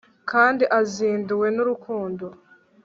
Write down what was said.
kandi azinduwe n'urukundo